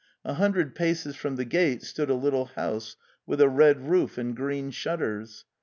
A hundred paces from the gate stood a little house with a red roof and green shutters.